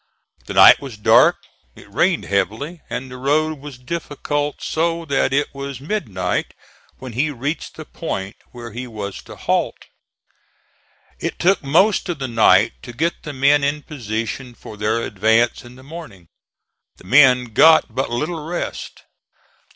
The night was dark, it rained heavily, and the road was difficult, so that it was midnight when he reached the point where he was to halt. It took most of the night to get the men in position for their advance in the morning. The men got but little rest.